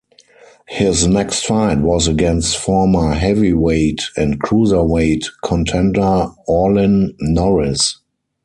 His next fight was against former heavyweight and cruiserweight contender Orlin Norris.